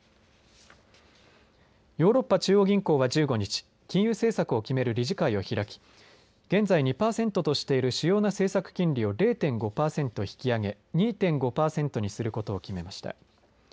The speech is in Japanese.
ヨーロッパ中央銀行は１５日金融政策を決める理事会を開き現在２パーセントとしている主要な政策金利を０．５パーセント引き上げ２．５パーセントにすることを決めました。